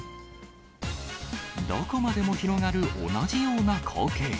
どこまでも広がる同じような光景。